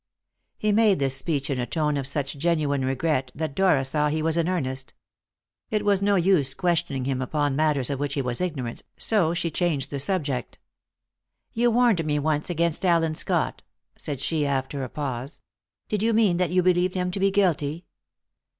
He made this speech in a tone of such genuine regret that Dora saw he was in earnest. It was no use questioning him upon matters of which he was ignorant, so she changed the subject. "You warned me once against Allen Scott," said she, after a pause. "Did that mean you believed him to be guilty?"